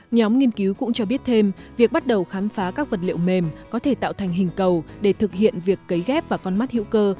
nhóm nghiên cứu cũng cho biết thêm việc bắt đầu khám phá các vật liệu mềm có thể tạo thành hình cầu để thực hiện việc cấy ghép vào con mắt hữu cơ